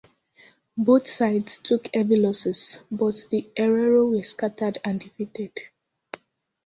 Both sides took heavy losses, but the Herero were scattered and defeated.